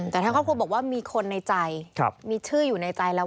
แต่ทางครอบครัวบอกว่ามีคนในใจมีชื่ออยู่ในใจแล้ว